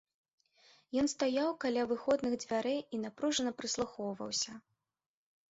Ён стаяў каля выходных дзвярэй і напружана прыслухоўваўся.